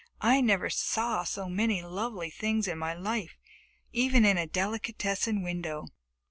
"I never saw so many lovely things in my life even in a delicatessen window."